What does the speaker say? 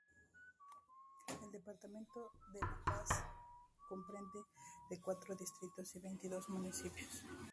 El Departamento de La Paz comprende de cuatro distritos y veintidós municipios.